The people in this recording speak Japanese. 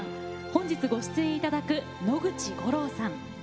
本日ご出演いただく野口五郎さん。